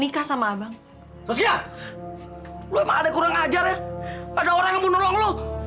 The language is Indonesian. kan gue tampol